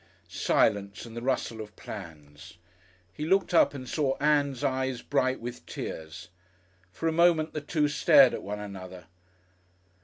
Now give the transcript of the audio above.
Silence and the rustle of plans. He looked up and saw Ann's eyes bright with tears. For a moment the two stared at one another.